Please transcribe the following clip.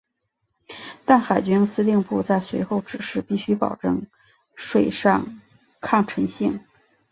但海军司令部在随后指示必须保证水上抗沉性。